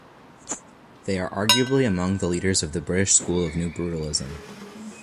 They are arguably among the leaders of the British school of New Brutalism.